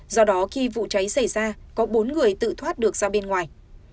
do đó khi vụ cháy xảy ra có bốn người tự thoát được ra bên ngoài